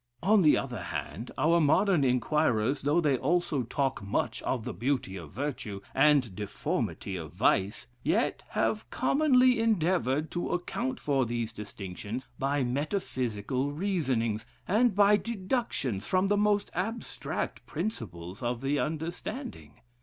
On the other hand, our modern inquirers, though they also talk much of the beauty of virtue, and, deformity of vice, yet have commonly endeavored to account for these distinctions by metaphysical reasonings, and by deductions from the most abstract principles of the understanding.